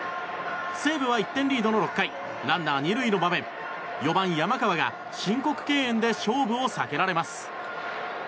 西武は１点リードの６回ランナー２塁の場面４番、山川が申告敬遠で勝負を避けられます。